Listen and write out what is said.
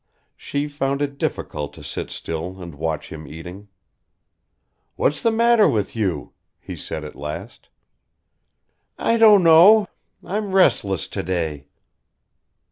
She found it difficult to sit still and watch him eating. "What's the matter with you?" he said at last. "I don't know. I'm restless to day."